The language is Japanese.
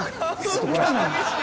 そうなんですね。